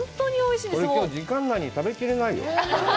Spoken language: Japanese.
きょう時間内に食べきれないよ。